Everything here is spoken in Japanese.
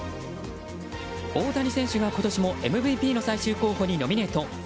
大谷翔平選手が今年もＭＶＰの最終候補にノミネート。